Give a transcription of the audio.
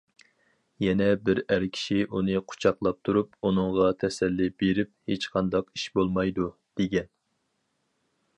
يەنە بىر ئەر كىشى ئۇنى قۇچاقلاپ تۇرۇپ، ئۇنىڭغا تەسەللى بېرىپ« ھېچقانداق ئىش بولمايدۇ» دېگەن.